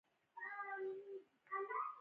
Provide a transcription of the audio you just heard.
د لوی دیوال جوړښت تر ټولو لوی دی.